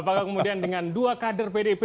apakah kemudian dengan dua kader pdip